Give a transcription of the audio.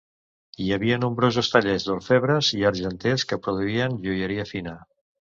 Hi havia nombrosos tallers d'orfebres i argenters que produïen joieria fina.